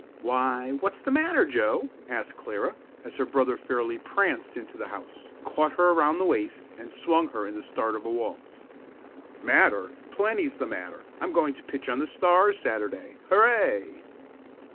"Why, what's the matter, Joe?" asked Clara, as her brother fairly pranced into the house, caught her around the waist and swung her in the start of a waltz. "Matter? Plenty's the matter! I'm going to pitch on the Stars Saturday. Hurray!"